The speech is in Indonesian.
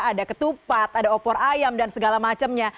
ada ketupat ada opor ayam dan segala macamnya